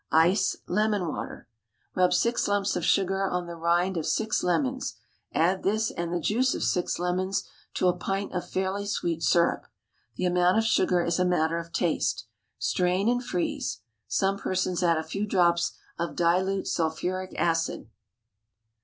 ICE, LEMON WATER. Rub six lumps of sugar on the rind of six lemons, add this and the juice of six lemons to a pint of fairly sweet syrup. The amount of sugar is a matter of taste. Strain and freeze. Some persons add a few drops of dilute sulphuric acid.